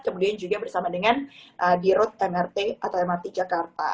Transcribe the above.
kemudian juga bersama dengan di road mrt atau mrt jakarta